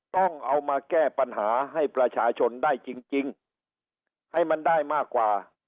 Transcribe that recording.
ต้องเอามาแก้ปัญหาให้ประชาชนได้จริงให้มันได้มากกว่า